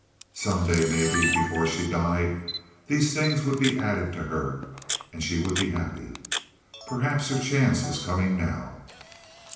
Some day, maybe, before she died these things would be added to her, and she would be happy. Perhaps her chance was coming now.